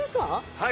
はい。